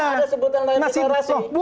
nggak ada sebutan lainnya deklarasi